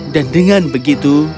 dan dengan begitu